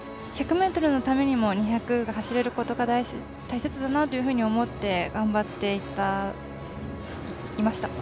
１００ｍのためにも２００が走れることが大切だなと思って頑張っていました。